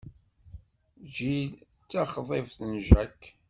Jill d taxḍibt n Jack.